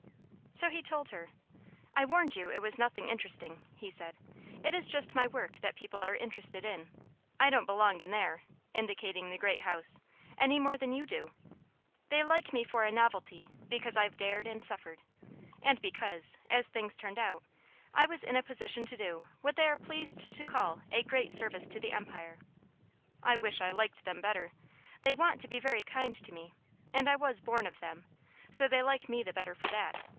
So he told her. "I warned you it was nothing interesting," he said; "it is just my work that people are interested in. I don't belong in there," indicating the great house, "any more than you do. They like me for a novelty, because I've dared and suffered; and because, as things turned out, I was in a position to do what they are pleased to call a great service to the Empire. I wish I liked them better they want to be very kind to me, and I was born of them, so they like me the better for that.